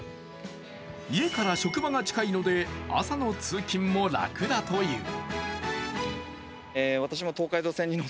家から職場が近いので朝の通勤も楽だという。